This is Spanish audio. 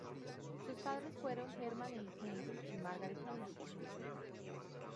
Sus padres fueron "Hermann Heinrich" y "Margaret Heinrich".